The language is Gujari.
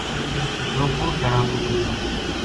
ڈروکڑ جنا کو قصو